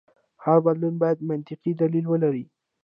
هر بدلون باید منطقي دلیل ولري.